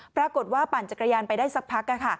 ปรากฏว่าปั่นจักรยานไปได้สักพัก